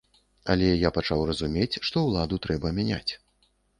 Але я пачаў разумець, што ўладу трэба мяняць.